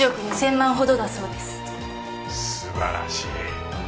素晴らしい。